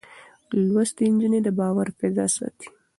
لوستې نجونې د باور فضا ساتي.